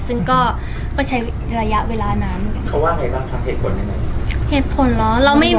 แต่เราก็ได้มีการคุยมีการต่ำงานทางไลน์ด้วย